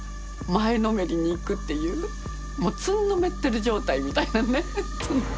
前のめりに行くっていうもうつんのめってる状態みたいなね。